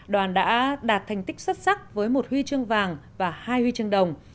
đoàn đã đạt thành tích xuất sắc với một huy chương vàng và hai huy chương đồng